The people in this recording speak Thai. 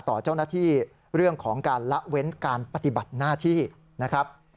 ต่อเจ้าหน้าที่เรื่องของการละเว้นการปฏิบัติหน้าที่นะครับ